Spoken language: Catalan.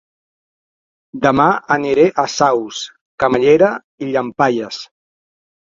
Dema aniré a Saus, Camallera i Llampaies